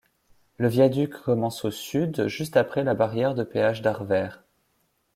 Le viaduc commence au sud juste après la barrière de péage d'Arveyres.